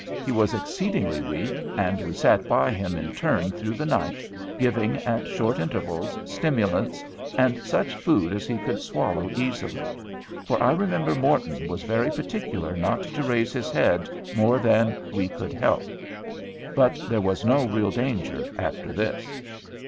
He was exceedingly weak, and we sat by him in turn through the night, giving, at short intervals, stimulants and such food as he could swallow easily; for I remember Morton was very particular not to raise his head more than we could help. But there was no real danger after this.